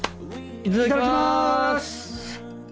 いただきます！